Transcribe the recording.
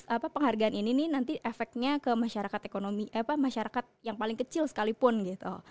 apa penghargaan ini nih nanti efeknya ke masyarakat ekonomi apa masyarakat yang paling kecil sekalipun gitu